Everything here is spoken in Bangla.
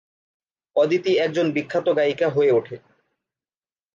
অদিতি একজন বিখ্যাত গায়িকা হয়ে ওঠে।